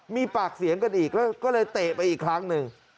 มีปากเสียงกันอีกแล้วก็เลยเตะไปอีกครั้งหนึ่ง